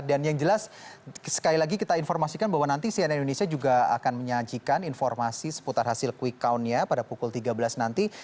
dan yang jelas sekali lagi kita informasikan bahwa nanti cnn indonesia juga akan menyajikan informasi seputar hasil quick count nya pada pukul tiga belas nanti